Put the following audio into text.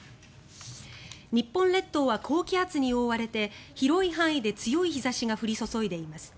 日本列島は高気圧に覆われて広い範囲で強い日差しが降り注いでいます。